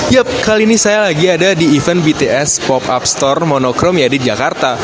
yup kali ini saya lagi ada di event bts pop up store monocrome ya di jakarta